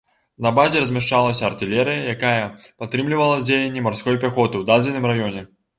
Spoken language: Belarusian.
На базе размяшчалася артылерыя, якая падтрымлівала дзеянні марской пяхоты ў дадзеным раёне.